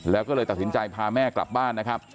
แล้วก็เลยตัดสินใจพาแม่กลับบ้านนะครับ